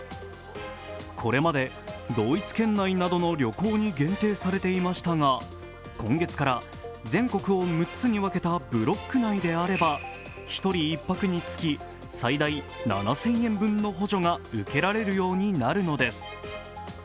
これまで同一県内などの旅行に限定されていましたが今月から全国を６つに分けたブロック内であれば１人１泊につき最大７０００円分の補助が受けられるようになるのです。